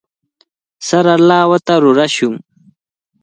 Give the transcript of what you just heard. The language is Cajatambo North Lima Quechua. Sara lawata rurashun.